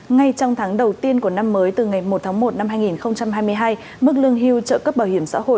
ngay trong tháng đầu tiên của năm mới từ ngày một tháng một năm hai nghìn hai mươi hai mức lương hưu trợ cấp bảo hiểm xã hội